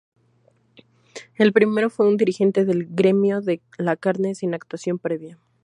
El primero fue un dirigente del gremio de la carne sin actuación previa.